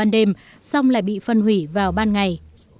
đêm xong lại bị phân hủy vào ban ngày